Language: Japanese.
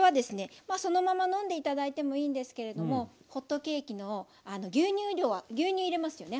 そのまま飲んで頂いてもいいんですけれどもホットケーキのあの牛乳牛乳入れますよね